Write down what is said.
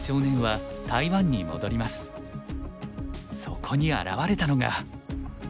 そこに現れたのが。